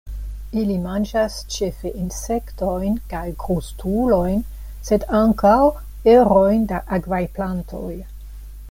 Ili manĝas ĉefe insektojn kaj krustulojn, sed ankaŭ erojn da akvaj plantoj.